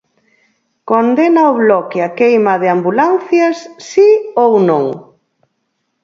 Condena o Bloque a queima de ambulancias, si ou non?